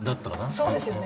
そうですよね。